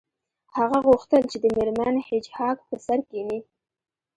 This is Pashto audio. هغه غوښتل چې د میرمن هیج هاګ په سر کښینی